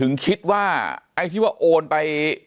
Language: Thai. ถึงคิดว่าไอ้ที่ว่าโอนไป